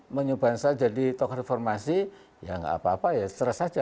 menyuarabahansa jadi tokoh reformasi ya nggak apa apa ya terserah saja